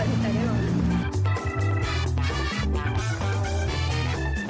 อร่อยถึงใจได้เลย